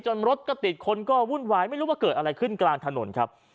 รถก็ติดคนก็วุ่นวายไม่รู้ว่าเกิดอะไรขึ้นกลางถนนครับ